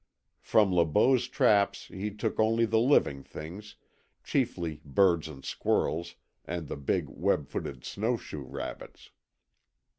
From Le Beau's traps he took only the living things, chiefly birds and squirrels and the big web footed snowshoe rabbits.